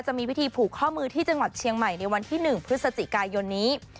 จะมีพิธีผูกข้อมือที่จังหวัดเชียงใหม่ในวันที่๑พฤศจิกายนนี้